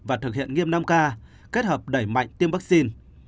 và thực hiện nghiêm năm k kết hợp đẩy mạnh tiêm vaccine